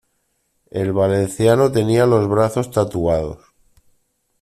El valenciano tenía los brazos tatuados.